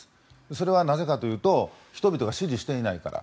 それはなぜかというと人々が支持していないから。